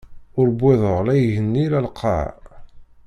Ur wwiḍeɣ la igenni, la lqaɛa.